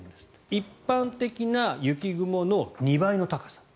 一般的な雪雲の２倍の高さ。